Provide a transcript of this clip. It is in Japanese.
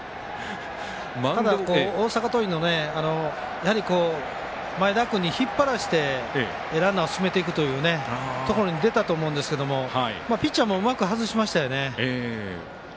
ただ、大阪桐蔭の前田君に引っ張らしてランナーを進めていくというところに出たと思うんですけどピッチャーもうまく外しましたね。